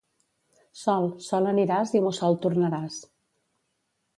Sol, sol aniràs i mussol tornaràs.